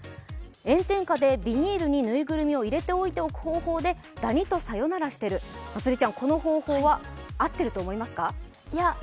炎天下でビニールにぬいぐるみを入れておいておく方法でダニとさよならしてる、まつりちゃん、この方法は合ってると思いますか？